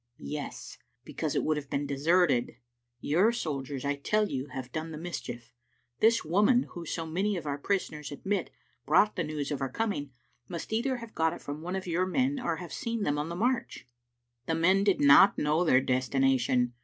"Yes, because it would have been deserted. Your soldiers, I tell you, have done the mischief. This woman, who, so many of our prisoners admit, brought the news of our coming, must either have got it from one of your men or have seen them on the march. " "The men did not know their destination.